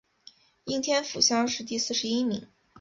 应天府乡试第四十一名。